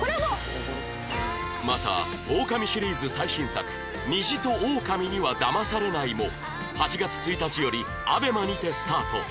また『オオカミ』シリーズ最新作『虹とオオカミには騙されない』も８月１日より ＡＢＥＭＡ にてスタート